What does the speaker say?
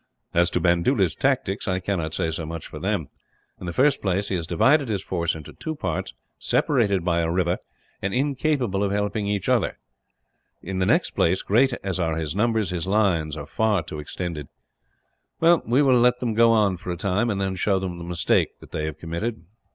"As to Bandoola's tactics, I cannot say so much for them. In the first place, he has divided his force into two parts, separated by a river, and incapable of helping each other. In the next place, great as are his numbers, his lines are far too extended. "Well, we will let them go on for a time; and then show them the mistake that they have committed."